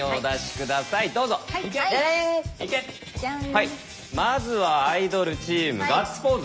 はいまずはアイドルチーム「ガッツポーズ」。